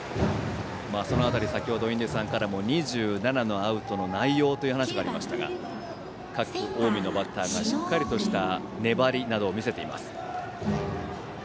その辺り、先程、印出さんからも２７のアウトの内容という話がありましたが近江のバッターがしっかりとした粘りなどを見せています。